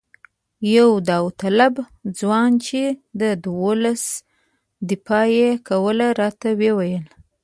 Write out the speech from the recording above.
یو داوطلب ځوان چې د ولس دفاع یې کوله راته وویل.